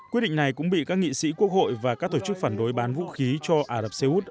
quyết định này cũng bị các nghị sĩ quốc hội và các tổ chức phản đối bán vũ khí cho ả rập xê út